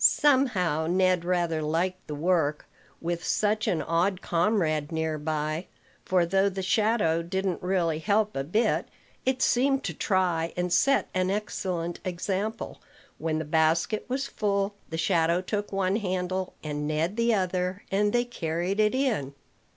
Somehow Ned rather liked the work, with such an odd comrade near by; for, though the shadow didn't really help a bit, it seemed to try, and set an excellent example. When the basket was full, the shadow took one handle, and Ned the other; and they carried it in.